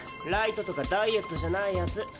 ライトとかダイエットじゃないやつ。